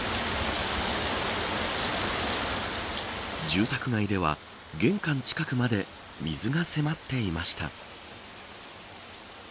住宅街では、玄関近くまで水が迫っていました。